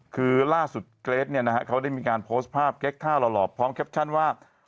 คือล่าสุดเกรทเขาได้มีการโพสต์ภาพเกร็กท่าหล่อพร้อมแคปชั่นว่า